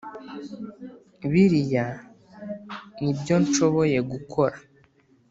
biriya nibyonshoboye gukora